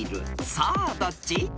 さあどっち？］